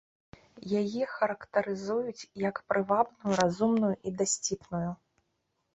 Яе характарызуюць, як прывабную, разумную і дасціпную.